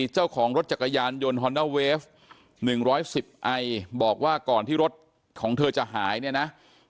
เจ้าของรถจักรยานยนต์ฮอนด้าเวฟ๑๑๐ไอบอกว่าก่อนที่รถของเธอจะหายเนี่ยนะ